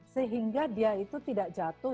sehingga dia itu tidak bisa berubah